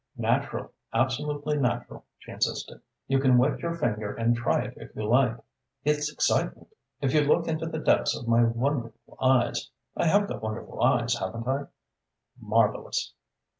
"Natural absolutely natural," she insisted. "You can wet your finger and try if you like. It's excitement. If you look into the depths of my wonderful eyes I have got wonderful eyes, haven't I?" "Marvellous."